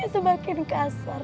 dia semakin kasar